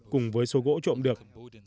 cùng với số gỗ trộm được